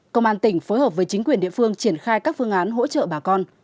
công an tỉnh phối hợp với chính quyền địa phương triển khai các phương án hỗ trợ bà con